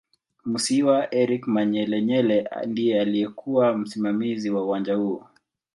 Musiiwa Eric Manyelenyele ndiye aliyekuw msimamizi wa uwanja huo